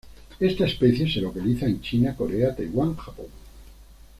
Esta especie se localiza en China, Corea, Taiwán, Japón.